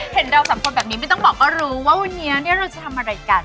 เห็นเราสามคนแบบนี้ไม่ต้องบอกก็รู้ว่าวันนี้เราจะทำอะไรกัน